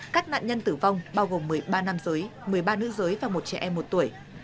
các nạn nhân tử vong bao gồm một mươi ba nam giới một mươi ba nữ giới và một trẻ em một tuổi